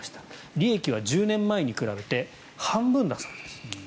利益は１０年前に比べて半分だそうです。